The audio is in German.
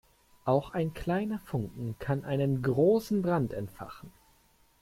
Auch ein kleiner Funken kann einen großen Brand entfachen.